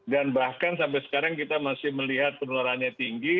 dan bahkan sampai sekarang kita masih melihat penularannya tinggi